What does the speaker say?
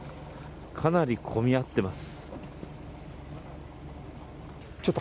かなり混み合っています。